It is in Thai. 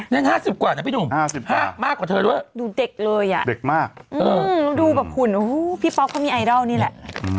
นั่น๕๐กว่านะพี่หนุ่ม๕๕มากกว่าเธอด้วยดูเด็กเลยอ่ะเด็กมากดูแบบหุ่นพี่ป๊อกเขามีไอดอลนี่แหละ